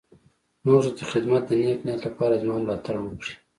نورو ته د خدمت د نېک نيت لپاره زما ملاتړ وکړي.